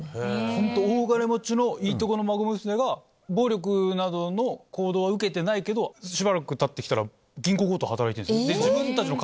ホント大金持ちのいいとこの孫娘が暴力などの行動は受けてないけどしばらくたって来たら銀行強盗働いてるんです。